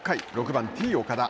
６番Ｔ−岡田。